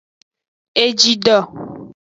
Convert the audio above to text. Egido.